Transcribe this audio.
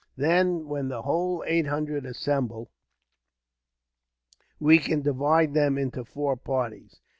Then, when the whole eight hundred assemble, we can divide them into four parties.